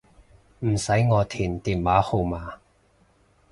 唔使我填電話號碼